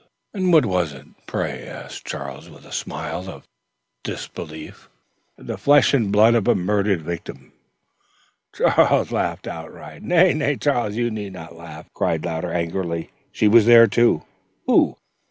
"And what was it, pray?" asked Charles with a smile of incredulity. "The flesh and blood of a murdered victim." Charles laughed outright. "Nay, nay, Charles, you need not laugh," cried Louder, angrily. "She was there, too." "Who?"